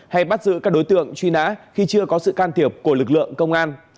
hay bắt giữ các đối tượng truy nã khi chưa có sự can thiệp của lực lượng công an